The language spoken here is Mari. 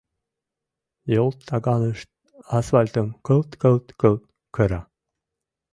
Йолтаганышт асфальтым кылт-кылт-кылт кыра.